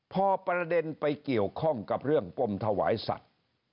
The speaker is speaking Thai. พอประเด็นไปเกี่ยวข้องกับเรื่องปมถวายสัตว์